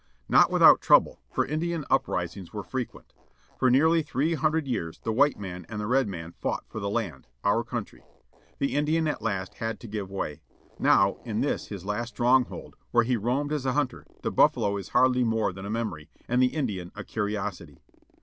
Not without trouble, for Indian uprisings were frequent. For nearly three htmdred years the white man and the red man fought for the land, our country. The Indian at last, had to give way. Now, in this his last stronghold, where he roamed as a hunter, the buffalo is hardly more than a memory, and the Indian a curiosity.